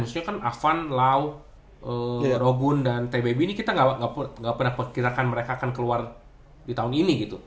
maksudnya kan avan lau rogun dan t baby ini kita gak pernah pikirkan mereka akan keluar di tahun ini gitu